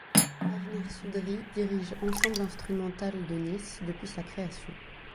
Avner Soudry dirige Ensemble Instrumental de Nice depuis sa création.